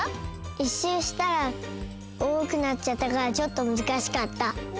１しゅうしたらおおくなっちゃったからちょっとむずかしかった。